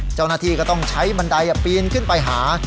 เจ้าหน้าที่ก็ต้องใช้บันไดปีนขึ้นไปหา